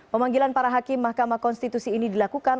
pemanggilan para hakim mahkamah konstitusi ini dilakukan